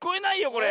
これ。